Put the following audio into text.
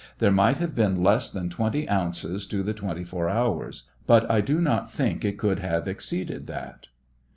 There might have been less than 20 ounces to the 24 hours ; but I do not think it could have exceeded that.